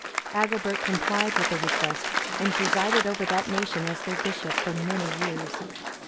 Agilbert complied with the request, and presided over that nation as their bishop for many years.